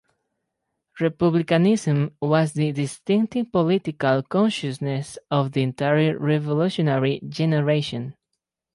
Republicanism was the distinctive political consciousness of the entire Revolutionary generation.